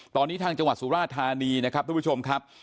ตอนนี้ทางจังหวัดสุราธานีนะครับทุกผู้ชมครับ